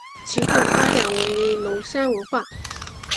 其后发展为龙山文化。